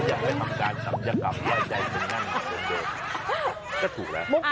ดั้งเดิมไม่ได้สัชยกรรมดั้งเดิมก็ถูกละ